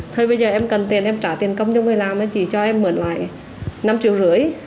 thời bây giờ em cần tiền em trả tiền công cho người làm nên chị cho em mượn lại năm triệu rưỡi